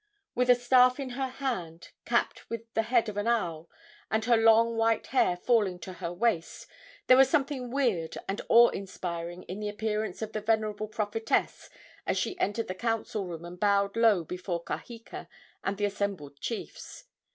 With a staff in her hand, capped with the head of an owl, and her long, white hair falling to her waist, there was something weird and awe inspiring in the appearance of the venerable prophetess as she entered the council room and bowed low before Kaheka and the assembled chiefs.